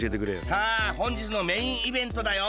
さあほんじつのメインイベントだよ！